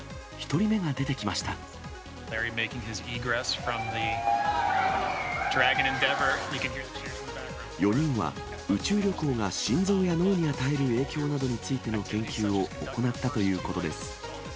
４人は、宇宙旅行が心臓や脳に与える影響などについての研究を行ったということです。